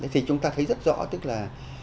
thì chúng ta thấy rất rõ tức là